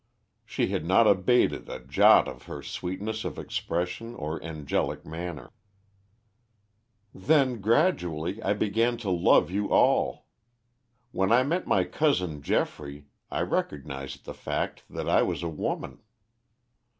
She had not abated a jot of her sweetness of expression or angelic manner. "Then gradually I began to love you all. When I met my cousin Geoffrey I recognized the fact that I was a woman.